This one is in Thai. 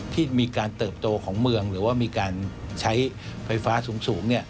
ที่มีการเติบโตของเมืองหรือว่ามีการใช้ไฟฟ้าสูง